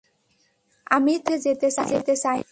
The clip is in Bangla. আমি তার মধ্যে যেতে চাই না।